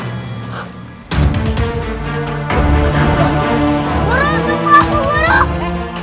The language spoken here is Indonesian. guru tempatku guru